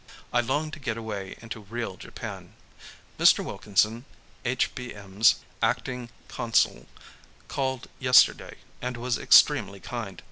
I long to get away into real Japan. Mr. Wilkinson, H.B.M.'s acting consul, called yesterday, and was extremely kind.